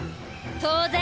当然！